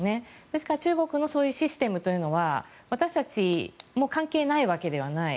ですから、中国のそういうシステムというのは私たちも関係ないわけではない。